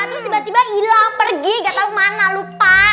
terus tiba tiba hilang pergi gak tau mana lupa